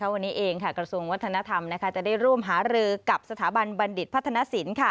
วันนี้เองกระทรวงวัฒนธรรมจะได้ร่วมหารือกับสถาบันบัณฑิตพัฒนศิลป์